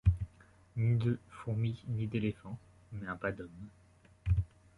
Ni de fourmi, ni d'éléphant, mais un pas d'homme.